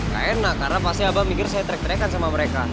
gak enak karena pasti abang mikir saya trek terikan sama mereka